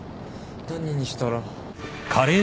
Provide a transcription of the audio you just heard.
何にしたら。